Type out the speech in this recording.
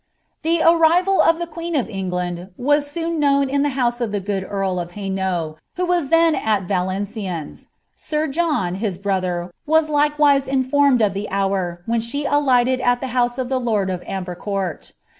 " The arrival of the queen of England was soon known in the hnoM j of the good earl of Hainault, who was then si Valenciennes ; sir Jehu, ] his brother, was likewise informed of the hour when she alighted tl dx \ house of the lord of Ambreiieourt.